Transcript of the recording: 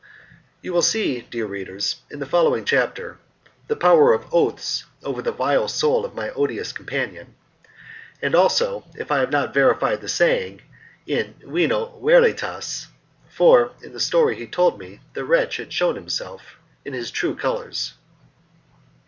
You will see, dear reader, in the following chapter, the power of oaths over the vile soul of my odious companion, and also if I have not verified the saying 'In vino veritas', for in the story he told me the wretch had shewn himself in his true colours.